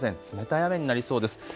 冷たい雨になりそうです。